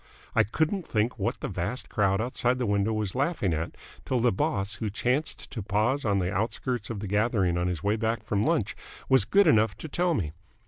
I couldn't think what the vast crowd outside the window was laughing at till the boss, who chanced to pause on the outskirts of the gathering on his way back from lunch, was good enough to tell me.